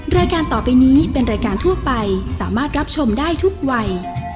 รายการต่อไปนี้เป็นรายการทั่วไปสามารถรับชมได้ทุกวัย